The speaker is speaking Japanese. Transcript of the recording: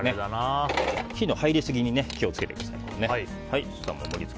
火の入りすぎに気を付けてくださいね。